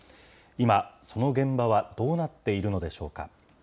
今、その現場はどうなっているのでしょうか。